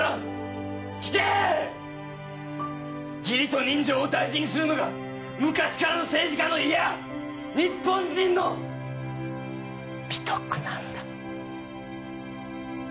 義理と人情を大事にするのが昔からの政治家のいや日本人の美徳なんだ。